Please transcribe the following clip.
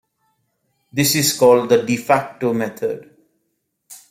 This is called the "de facto" method.